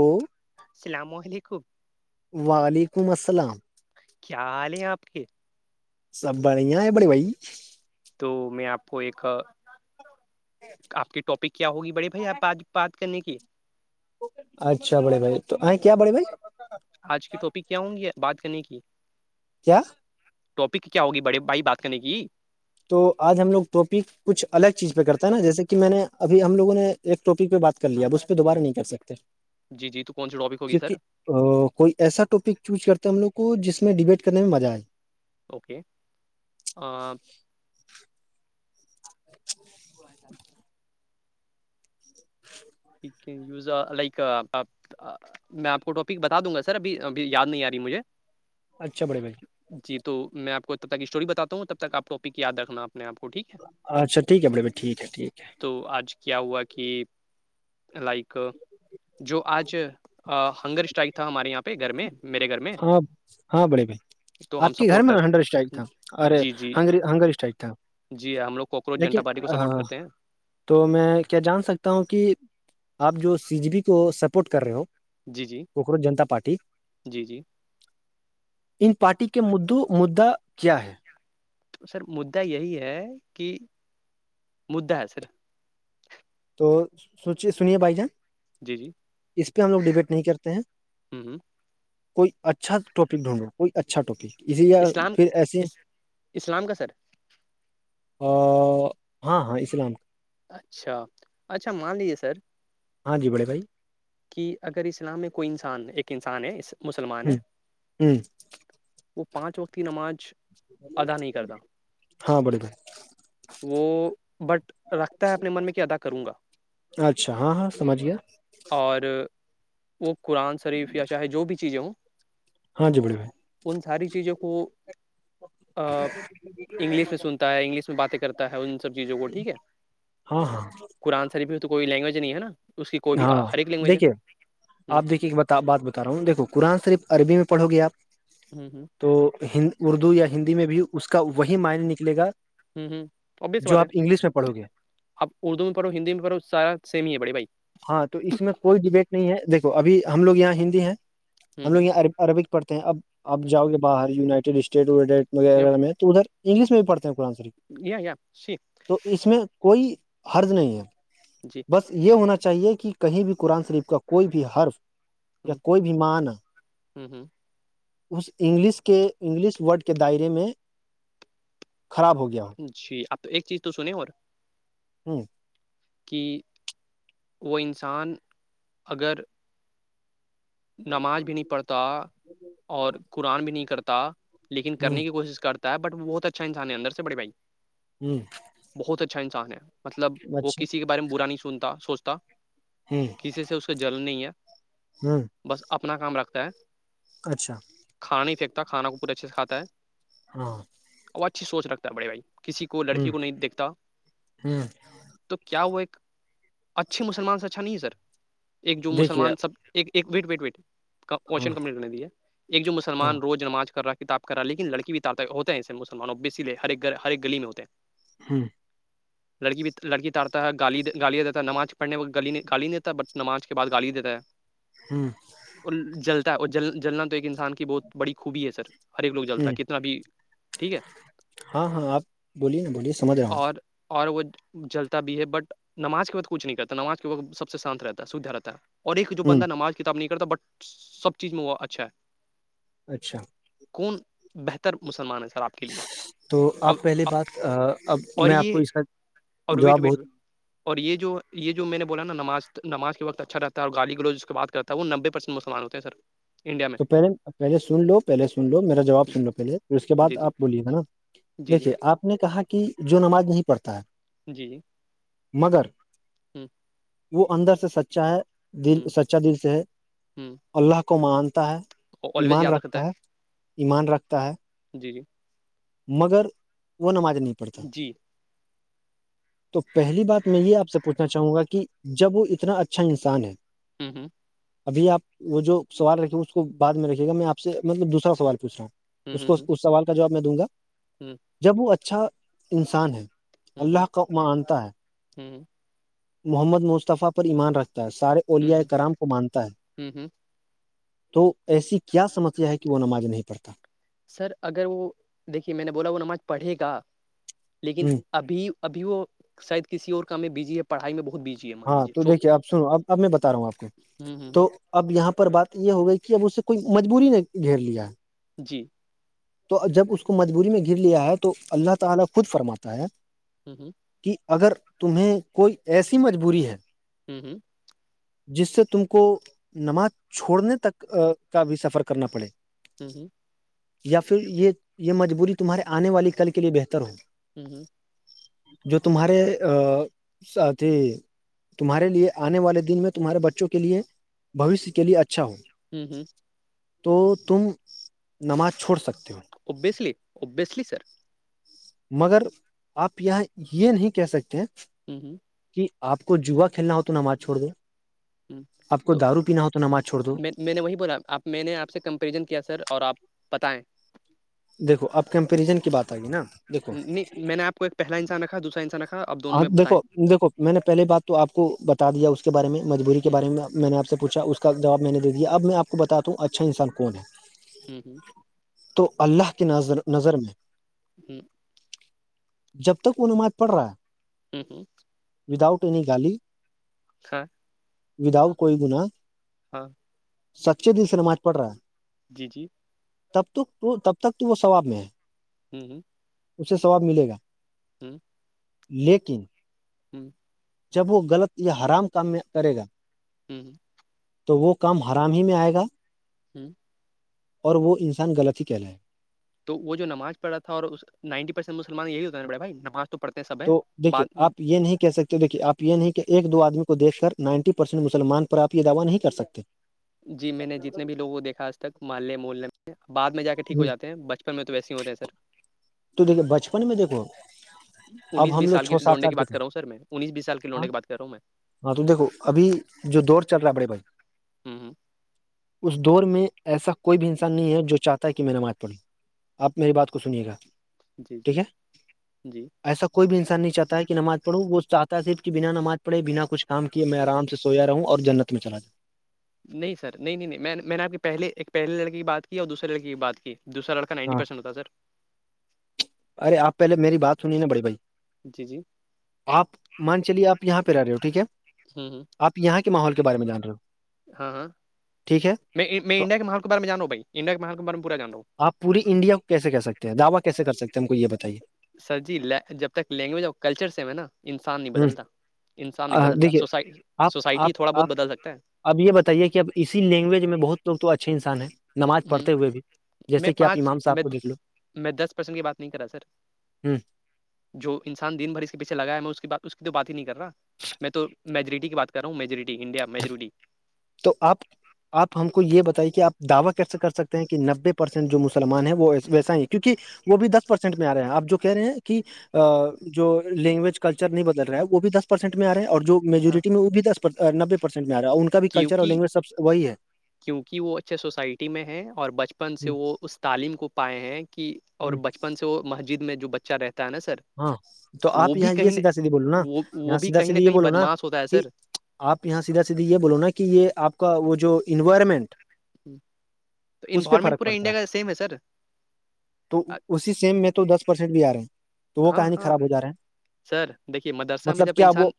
وہ سلامہل ہی خوب وعلیکم السلام کیا حال ہیں آپ کے سب بڑیا ہے بڑی بائی تو میں آپ کو ایک آپ کے ٹاپک کیا ہوگی بڑے بھائی آپ آج بات نیکی اچھا بڑے بھائی تو کیا بڑے بھائی آج کی ٹاپک کیا ہوں گی بات کرنے کی کیا ٹاپک کیا ہوگی بڑے بھائی بات کرنے کی تو آج ہم لوگ ٹاپک کچھ الگ چیز پہ کرتا ہے نا جیسے کہ میں نے ابھی ہم لوگوں نے ایک ٹاپک پہ بات کر لیا اب اس پہ دوبارہ نہیں کر سکتے جی جی تو کون سی ٹاپک ہوگی سر کیونکہ کوئی ایسا ٹاپک چوز کرتا ہم لوگ کو جس میں ڈیبیٹ کرنے میں مزہ آئے اوکے ہی ھ یوز لائک آپ میں آپ کو ٹاپک بتا دوں گا سر ابھی ابھی یاد نہیں آ رہی مجھے اچھا بڑے بھائی جی تو میں آپ کو تب تک اسٹوری بتا ہوں تب تک آپ اپک یاد رکھنا آ میں آپ ٹھیک ہے اچھاٹھیک ہے بڑے بھائی ٹھیک ہے ٹھیک ہے تو آج کیا ہوا کہ لائک جو آج ہنگر اسٹائک تھا ہمارے یہاں پہ گھر میں میرے گھر میں ہاں ہاں بڑے بھائی تو ہم آپ کے گھر سپورٹ میں ن ہنگر اسٹائک کرتے تھا ارے جی جی ہنگری اسٹائک تھا جی ہم لوگ کوکروج لیکن جنتا پارٹی کو سپورٹ کرتے ہیں تو میں کیا جان سکتا ہوں کہ آپ جو سی جی پی کو سپورٹ کر رہے ہو جی جی کوکروچ جنتا پارٹی جی جی ان پارٹی کے مدعا کیا ہے تو سر مدا یہی ہے کہ مدا ہے سر تو سوچے سنیے بھائی جان جی جی اس پہ ہم لوگ ڈبیٹ نہیں کرتے ہیں ہ ہ کوئی اچھا ٹاپک ڈھونڈو کوئی اچھا ٹاپک اسی یا اسلام پھر ایسیے اسلام کا سر ہاں ہاں اسلام اچھا اچھا مان لیجیے سر ہاں جی بڑے بھائی کہ اگر اسلام میں کوئی انسان ایک انسان ہے اس مسلمان ہ ہے ہ وہ پانچ وقت کی نماز ادا نہیں کرتا ہاں بڑے بھائی وہ بٹ لتا ہے اپنے من میں کیا ادا کروں گا اچھا ہاں ہاں سمجھ گیا اور وہ قرآن شریف یا چاہے جو بھی چیزیں ہوں ہاں جی بڑے بھائی ان ساری چیزوں کو انگلش میں سنتا ہے انگلش میں باتیں کرتا ہے ان سب چیزوں کو ٹھیک ہے ہاں ہاں قرآن شریف تو کوئی لینگویج نہیں ہے نا اس کی کوئی بھی ہاں ہر ایک لینگویج ہے دیکھیے ہوں آپ دیکے ایک بتا بات بتا رہا ہوںیکھو قرآن صرف عربی میں پڑو گے آپ ہوں ہوں تو اردو یا ہندی میں بھی اس کا وہی معائنی نکلے گا ہوں ہوں جو آپ انگلش میں پڑھو گے اب اردو میں پڑو ہندی میں پڑو سارا سم ہی ہے بڑی بھائی ہاں تو اس میں کوئی ڈبیٹ نہیں ہے دیکھو ابھی ہم لوگ یہاں ہندی ہیں ہوں ہم لوگ ہوں یہاں عرب عربک پڑھتے ہیں اب آپ ہوں جاؤ گے باہر یونائٹیڈ اسٹیٹ یا وغیرہ میں تو ادھر انگلش میں بھی پڑھتے ہیں قرآن شریف یا یا جی تو اس میں کوئی حرج نہیں ہے جی بس یہ ہونا چاہیے چاہیے کہ کہیں بھی قرآن شریف کا کوئی بھی حرف یا ہوں کوئی بھی معنی ہوں ہوں اس انگلش کے انگلش ورڈ کے دائرے میں خراب ہو گیا ہو جی آپ ایک چیز تو سنیں اور ہوں کہ وہ انسان اگر نماز بھی نہیں پڑھتا اور قرآن بھی نہیں کرتا لیکن کرنے کی کوشش کرتا بٹ وہ بہت اچھا انسان ہے اندر سے بڑے بھائی ہوں بہت اچھا انسان ہے مطلب وہ اچھا کسی کے بارے میں برا نہیں سنتا سوچتا کسی سے اس کا جل نہیں ہے ہوں بس اپنا کام رکھتا ہے اچھا کھا نہیں پنکتا کانا کو پورے اچھے سے کھا ہے [unintelligible] ہاں [inaudible] وہ اچھی سوچ رکھتا ہے بڑے بھائی کسی کو ہ لڑکی کو نہیں دیکھتا ہ تو کیا وہ ایک اچھے مسلمان سے اچھا نہیں ہے سر ایک جو دیکھیے مسلمان سب ایک وٹ وٹ ہاں وٹشن کمونٹی نے دیا ایک جو ہاں مسلمان روز نماز کر رہا کتاب کر رہا لیکن لڑکی ہوتے ہیںسے مسلمانوں بیسیے ہر ایک گھر ہر گلی میں ہوتے ہیں ہاں لڑکی بھی لڑکی تارتا ہے گالی گالیا دیتا ہے نماز پڑھنے میں گ گالی نہیں دیتا بٹ نماز کے بعد گالی دیتا ہے ہوں [inaudible] اور جلتا ہے اور جل جلنا تو ایک انسان کی بہت بڑی خوبی ہے سر ہر ایک لوگ ہ جلتا ہے کتنا بھی ٹھیک ہے ہاں ہاں آپ بولیے نا بولیے سمجھ رہا اور اور وہ جلتا بھی ہے بٹ نماز کے وقت کچھ نہیں کرتا نماز کے وقت سب سے شانت رہتا ہے سیدھا رہتا ہے اور ایک جو ہوں ہ بندہ نماز کتاب نہیں کرتا بٹ سب چیز میں وہ اچھا ہے اچھا [inaudible] کون بہتر مسلمان ہے سر آپ کے لیے تو آپ اب پہلی بات اب اور میں آپ کو یہ اس کا اور ویٹ جواب ویٹ بہت ویٹ اور یہ جو یہ جو میں نے بولا نا ناز نماز کے وقت اچھا رہتا ہے اور گالی گلوج کے بات کرتا تو وہ نبے پرسینٹ مسلمان ہوتے ہیں سر انڈیا میں تو پہلے پہلے سن لو پہلے سن لو میرا جواب سن لو پہلے پھر اس کے جی بعد جی آپ بولیے گا نا جی جی دیکھیے آپ نے کہا کہ جو نماز نہیں پڑھتا ہے جی مگر ہوں [inaudible] وہ اندر سے سچا ہے دل سچا دل سے ہے ہ اللہ کو مانتا ہے ایمان رکھتا ہے ایمان رکھتا ہے جی جی [inaudible] مگر وہ نمازنیتی [unintelligible] جی تو پہلی بات میں یہ آپ سے پوچھنا چاہوں گا کہ جب وہ اتنا اچھا انسان ہے ہوں ہوں [inaudible] ابھی آپ وہ جو سوال رکھے اس کو بد میں رکھیے گا میں آپ سے مطلب دوسرا سوال پوچھ رہا ہوں اس کو اس سوال کا جواب میں دوں گا ہوں [inaudible] جب وہ اچھا انسان ہے اللہ کا ماں منتا ہے [unintelligible] ہوں [inaudible] محمد مصطفی پر ایمان رکھتا ہے سارے ہ اولیاء کرام کو مانتا ہے ہ ہ تو ایسی کیا سمسیا ہے کہ وہ نماز نہیں پڑھتا سر اگر وہ دیکھیے میں نے بولا وہ نماز پڑھے گا لیکن ہ ابھی ابھی وہ شاید کسی اور کام میں بزی ہے پڑھائی میں بہت بجی ہاں تو دیکھیے اب سنو اب اب میں بتا رہا ہوں آپ کو ہ تو اب یہاں پر بات یہ ہو گئی کہ اب اسے کوئی مجبوری نہیں گھیر لیا ہے جی تو جب اس کو مجبوری میں گر لیا ہے تو اللہ تعالی خود فرماتا ہے ہوں ہوں [inaudible] کہ اگر تمہیں کوئی ایسی مجبوری ہے ہوں ہوں [inaudible] جس سے تم کو نماز چھوڑنے تک کا بھی سفر کرنا پڑے ہوں ہوں [unintelligible] یا پھر یہ یہ مجبوری تمہارے آنے والی کل کے لیے بہتر ہو ہوں ہوں [unintelligible] جو تمہارے اھی تمہارے آنے والے دن میں تمہارے بچوں کےےھوشیہ کے لیے اچھا اچھا ہو ہ ہ تو تم نماز چھوڑ سکتے ہو اوبسلی ابسلی سر مگر آپ یہاں یہ نہیں کہہ سکتے ہیں ہوں ہوں کہ آپ کو جوا کھیلنا ہو تو نماز چھوڑ دو ہ آپ کو تو دارو پینا ہو تو نماز چھوڑ دو میں میں نے وہی بولا آپ میں نے آپ سے کمپیریزن کیا سر اور آپ بتائیں دیکھو اب کمپریزن کی بات آئے گی نا دیکھو نہیں میں نے آپ کو ایک پہلا انسان رکھا دوسرا انسان رکھا آپ دونوں ہاں میں بتائیں دیکھو دیکھو میں نے پہلے بات تو آپ کو بتا دیا اس کے بارے میں مجبوری کے ہ بارے میں میں نے آپ سے پوچھا اس کا جواب میں نے دیا اب میں آپ کو بتات ہوں اچھا انسان کون ہے ہوں ہوں تو اللہ کی نظر نظر میں ہ [unintelligible] جب تک وہ نماز پڑ رہا ہوں ہوں وداؤٹ ایننی گالی ہاں وداؤٹ کوئی گنا ہاں [inaudible] جی جی تب تک تو تب تک تو وہ ثواب میں ہے ہوں ہوں اس سے سواب ملے گا ہوں لیکن ہوں جب وہ غلط یا حرام کام میں کرے گا جوں تو وہ کام حرام ہی میں آئے گا ہوں اور وہ انسان غلطی ہی کہہ لائے تو وہ جو ناز پڑا تھا اور اس نائنٹی پرسینٹ مسلمان یہی ہوتا پڑھا بائی نماز تو پڑھتے ہیں سب ہے تو دیکھیے بعد آپ یہ نہیں کہہ سکتے دیکھیے آپ ہی کہ ایک دو آدمی کو دھ کر نائنٹی پرسینٹ مسلمان پر آ یہ دعوی نہیں کر سکتے جی میں نے جتنے بھی لووں کو دیکھا آج تک محلے محلے میں بعد میں جا کے ٹھیک ہو ہوں۔ جاتے ہیں بچ میں تو ویسے ہوتے ہیں سر تو دیک بچپن میں دیکھو انیس اب ہم بیس لوگ سال کی چھ سات لونڈنے کی کے بات تھے رہا ہوں سر میں انیس بیس سال کی ہاں لونڈنے کی بات کر رہا ہوں میں ہاں تو دیکھو ابھی جو دور چل رہا ہے بڑے بھائی ہ اس دور میں ایسا کوئی بھی انسان نہیں ہے جو چاہتا ہے کہ میں نمات پڑھی آپ میری بات کو سنیے گا جی جی ٹھیک ہے جی ایسا کوئی بھی انسان نہیں چاہتا کہ نماز پڑھو وہ چاہتا صر کہ بنا نماز پڑے بنا کچھ کام کہ میں آرام سے سویا رہوں اور جنت میں چلا جؤں نہیں سر نہیں نہیں میں نے میں نے آپ کے پہلے ایک پہلے لڑکے کی بات کی اور دوسرے لڑکے کی بات کی دوسرا لک جاؤں نائنٹی پرسٹ ہوتا سر ارےپ پہلےیری بات سنی نا بڑی بھائی جی جی آپ مان چلیے آپ یہاں پہ آ رہے ہو ٹھیک ہے ہوں ہ آپ یہاں کے ماحول کے بارے میں جان رہے ہو ہاں ہاں ٹھیک ہے میں میں تو انڈیا کے مال کے بارے میں جان ہ بھائی انڈیا کے مال کے بارے میں پورا جان رہا ہوں آپ پوری انڈیا کو کیسے کہ سکتے ہیں دعوا کیسے کر سکتے ہیں ہم کو یہ بتائیے سر جی جب تک لینگویج اور کلچر سے ہے نا انسان نہیں ہوں بدلتا انسان نہیں آہ، بدلتا دیکھیے سوس آپ آپ سوسائٹی تھوڑا بہت آپ بدل سکتا ہے اب یہ بتائیے کہ اب اسی لینگویج میں بہت لوگ تو اچھے انسان ہیں نماز ہے ہ پڑھتے ہوئے بھی میں جیسے کہ آپ پانچ امام صاحب میں کو دیکھ لو میں دس پرسینٹ کی بات نہیں کرا سر ہوں جو انسان دن بھر اس کے پیچھے لگیا ہے میں اس اس کی تو بات ہی نہیں کر رہا میں تو میجورٹی کی بات کر رہا ہوں میجوریٹی انڈیا میجوریٹی تو آپ آپ ہم کو یہ بتائیے کہ آپ دعوی کیسے کر سکتے ہیں کہ نبے پرسینٹ جو مسلمان ہیں وہ ویسا ہی ہیں کیونکہ وہ بھی دس پرسینٹ میں آ رہے ہیں آپ جو کہہ رہے ہیں کہ جو لینگویج کلچر نہیں بدل رہا ہے وہ بھی دس پرسینٹ میں آ رہ ہیں اور جو میجوریٹی میں وہ بھی دس نببے پرسینٹ میں آ رہا ہے کا بھی کلچر اور کیونکہ لینگویج سب سے وہی ہے کیونکہ وہ اچھے سوسائٹی میں ہیں اور بچپن سے ہ وہ اس تعلیم کو پائے ہیں کہ اور ہ بچپن سے وہ مسجد میں جو بچہ رہتا ہے نا سر ہاں تو وہ آپ بھی یہاں یہ کہیں نہ سیدھا سیدھھی بولو نا وہ وہ یہاں بھی سیدھا کہیں نہ سیدھا یہ کہیں بولو نا بدماش ہوتا ہے کہ سر آپ یہاں سیدھا سیدھی یہ بولو نا کہ یہ آپ کا وہ جو انوائرمنٹ تو اس پہ انوائرمنٹ فرق پورا پڑتا انڈیا کا سیم ہے سر تو اسی سیم میں تو دس پرسینٹ بھی آ رہے ہیں تو وہ ہاں کہانی ہاں خراب ہو جا رہا ہے سر دیکھیے مدرسہ میں مطلب جب کیا وہ انسان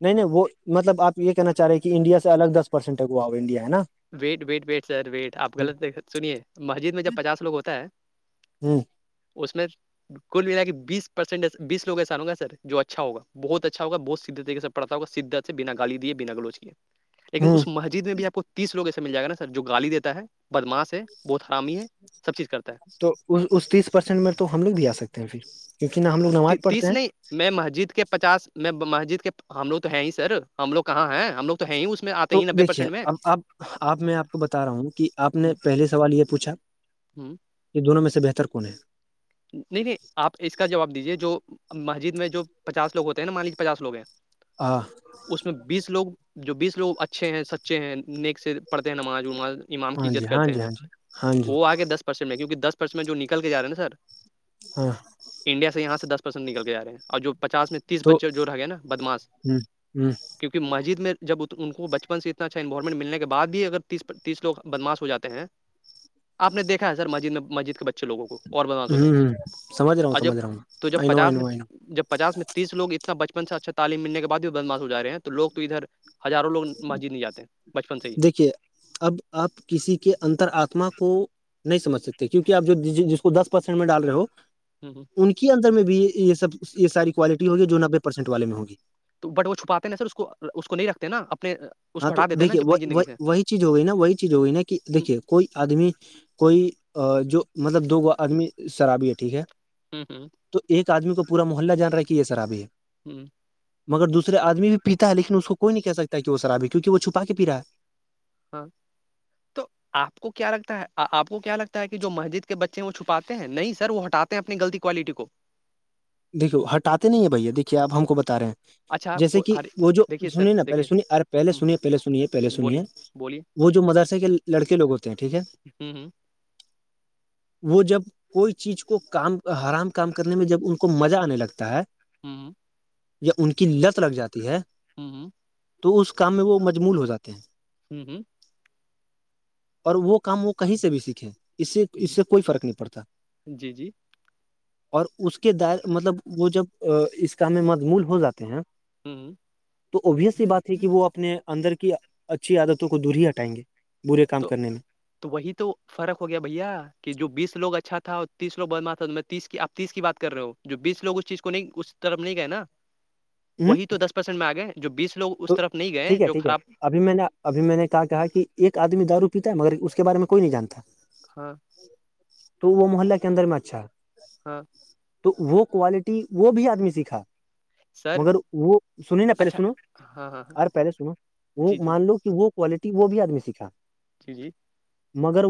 نہیں نہیں وہ مطلب آپ یہ کہنا چاہ رہے ہیں کہ انڈیا سے الگ دس پرسینٹ تک ہوا ہو انڈیا ہے نا wait wait wait sir wait آپ غلط سنیے مسجد میں جب پچاس لوگ ہوتا ہے ہوں اس میں کل م کہ بیس پرسینٹس لوگ ایسا ہوگ سر جو اچھاگ بہت اچھا ہوگا بت سیدھے طریقے سر پڑتا کو سدت سے بنا گالی دیے بنا گلوچ کیے لیکن ہ اس مسجد میں بھی آپ کو تیس لوگ ایسے مل جائے گ نا سر جو گالی دیتا ہے بدماس سے بہت حرامی ہے سب چیز کرتا ہے تو اس تیس پرسینٹ میں تو ہم لوگ بھی آ سکتے ہیں اھر تیس نہیں میں مسجد کے پچاس میں مسجد کے ہم لوگ تو ہیں ہی سر ہم لوگ کہاں ہیں ہم لوگ ہیں ہی اس میں آتے تو ہی نبے دیکھیے پرسینٹ میں اب آب اب میں آپ کو بتا رہا ہوں کہ آپ نے پہلے سوال یہ پوچھا ہوں کہ دونوں میں سے بہتر کون ہے نہیں نہیں آپ اس کا جواب دیجیے جو مسجد میں جو پچاسوگ ہوتے ہیں نا مانی لیجے پچاس لوگ ہیں آ اس میں بیس لوگ جو بیس لوگ اچھے ہیں سچے ہیں نیک سے پڑھتے ہیں نماز وماز امام کی ہاں جی عزت ہاں کرتے جی ہیں ہاں جی ہاں جی وہ آ کےے دس پرسینٹ میں کیونکہ دس پرسینٹ میں جو نکل کے جا رہے ہیں نا سر ہاں انڈیا سے یہاں سے دس پرسینٹ نکل کے ج رہے ہیں اور جو پچاس تیس تو پچے جوور ہے گیا نا بدماس ہ ہ کیونکہ مسجد میں جب ان کو بچپن سے اتنا اچھا انوارومٹ ملنے کے بعد اگریس تیسوگ بدماش ہو جاتے ہیں آپ نے دیکھا ہے سر مسجد میں مسجد کے بچے لوگوں کو اور بدماش ہوتے ہیں ہوں ہ سمجھ رہا ہوں اور جب سمجھ رہا ہوں تو جب آئی نو آئی پچاس میں نو آئی نو جب پچاس میں تیس لوگ ا بچپن سے اچھا تعلیم ملنے بعد بھی بدما ہوا رہے ہیں لوگ تو ادھر ہزاروں لوگ مسجد نہیں جاتے ہیں بچپن سے ہی دیکھیے اب آپ کسی کے انتر آتما کو نہیں سمج سکتے کیوںک آپ جو جس کو دس پرسینٹ میں ڈال رہے ہو ہوں ہوں ان کے اندر میں بھی یہ سب یہ ساری کوالٹی ہوگی جو نبے پرسینٹ والے میں ہوگی بٹ وہ چھپاتے ہیں نا سر اس کو اس کو نہیں رکھتے نا اپنے اس ہاں کو تو ہٹا دیتے ہیں نا دیکھیے اپنی زندگی سے وہی چیز ہو گئی نا وہی چیز ہوگئی نا کہ ہوں دیکھیے کوئی آدمی کوئی جو مطلب دو گ آدمی شرابی ہے ٹھیک ہے ہوں ہوں تو ایک آدمی کو پور محلہ جان رہا ہے کہ یہ سر اابی ہے ہوں مگر دوسرے آدمی بھی پیتا ہے لیکن اس کوئی نہیں کہہ سکتا ہے کہ وہ شرابی کیکہ وہ چھپا کے پی رہا ہے ہاں تو آ کو کیا لگتا ہے آپ کو کیا لگتا ہے کہ جو مسجد کے بچے وہ چھپاتے ہیں نہیں سر وہ ہٹاتے اپنیغلطی کوالٹی کو دیکھیو ہٹاتے نہیں ہیں بھیا دیکھیے آپ ہم کو بتا رہے ہیں اچھا جیسے کو- کہ ہر وہ جو دیکھیے سر سنیے نا دیکھیے پہلےنیے ارے ہوں، پہلےنیے پہلے سنیے پہلے بولیے سنیے بولیے وہ جو مدرسے کے لڑکے لوگ ہوتے ہیں ٹھیک ہے ہوں ہ وہ جب کوئی چیز کو کام آرام کام کرنے میں جب ان کو مزہ آنے لگتا ہے ہوں ہ یا ان کی لت لگ جاتی ہے ہوں ہوں تو اس کام میں وہ مجمول ہو جاتے ہیں ہوں ہوں اور وہ کام وہ کہیں سے بھی سیکھے اس سے اس جی سے کوئی فرق نہیں پڑتا جی جی اور اس کے کے دائر مطلب وہ جب اس کام میں مدمول ہو جاتے ہیں ہوں ہوں تو آوبویس بات ہے کہ وہ اپنے اندر کی اچھی عادتوں کو دور ہی ہٹائیں گے برے کام تو کرنے میں تو وہی تو فرق ہو گیا بھیا کہ جو بیسوگ اچھا تھا تیس لوگ بدمار تھا تو میں تیس کی آپ تیس کی بات کر رہے ہو جو بیس لوگ اس چیز کو نہیں اس طرف نہیں گئے نا [unintelligible] وہی تو دس پرسینٹ میں آ گئے جو بیس لو تو ٹھیک ہے ٹھیک ہے ابھی میں نے ابھی میں نے کہا کہ ایک آدمی دارو پیتا ہے مگر اس کے بارے میں کوئی نہیں جانتا ہاں تو وہ محللہ کے اندر میں اچھا ہاں تو وہ کوالٹی وہ بھی آدمی سیکھا سر مگر اچھا ہاں ہاں ر پہلے سنو وہ جی جی مان لو کہ وہ کوالٹی وہ بھی آدمی سکھا جی جی مگر وہ